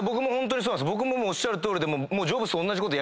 僕もおっしゃるとおりで。